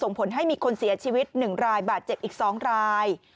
ผลให้มีคนเสียชีวิต๑รายบาดเจ็บอีก๒ราย